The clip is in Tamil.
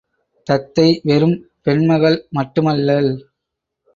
தத்தை வெறும் பெண் மகள் மட்டுமல்லள்.